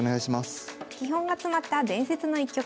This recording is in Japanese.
基本が詰まった伝説の一局。